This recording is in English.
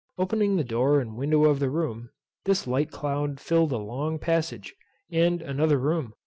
Opening the door and window of the room, this light cloud filled a long passage, and another room.